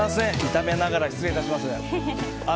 炒めながら失礼します。